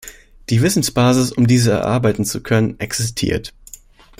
Die Wissensbasis, um diese erarbeiten zu können, existiert.